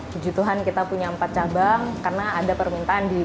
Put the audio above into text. puji tuhan kita punya empat cabang karena ada permintaan di